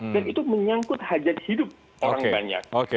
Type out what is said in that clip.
dan itu menyangkut hajat hidup orang banyak